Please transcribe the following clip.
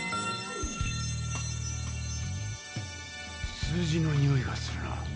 数字のにおいがするな。